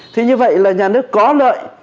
thì như vậy là nhà nước có lợi